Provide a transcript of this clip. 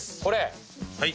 これ。